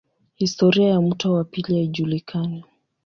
Historia ya mto wa pili haijulikani.